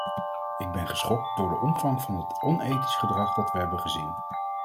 Ik ben geschokt door de omvang van het onethisch gedrag dat we hebben gezien.